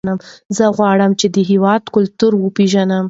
زه غواړم چې د هېواد کلتور وپېژنم.